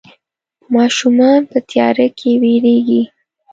ماشومان په تياره کې ويرېږي.